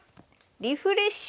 「リフレッシュ」。